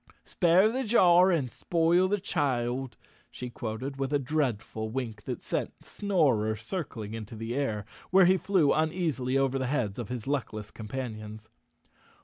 "Spare the jar and spoil the child," she quoted with a dreadful wink that sent Snorer circling into the air, where he flew uneasily over the heads of his luckless companions.